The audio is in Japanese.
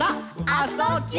「あ・そ・ぎゅ」